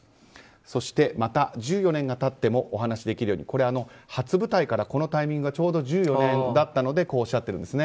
そして、また１４年が経ってもお話しできるようにこれ、初舞台から１４年のタイミングだったのでこうおっしゃってるんですね。